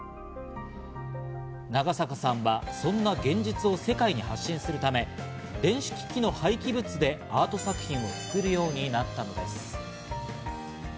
長坂さんはそんな現実を世界に発信するため、電子機器の廃棄物でアート作品を作るようになったんです。